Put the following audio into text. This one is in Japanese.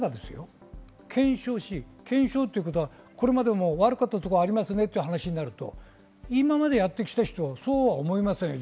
検証し、これまでも悪かったところがありますねという話になると今までやってきた人はそうは思いませんよね。